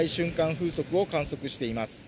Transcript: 風速を観測しています。